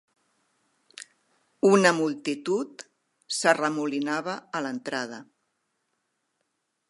Una multitud s'arremolinava a l'entrada.